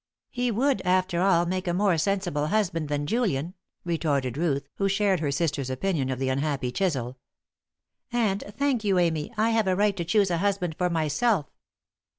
"He would, after all, make a more sensible husband than Julian," retorted Ruth, who shared her sister's opinion of the unhappy Chisel. "And, thank you, Amy, I have a right to choose a husband for myself.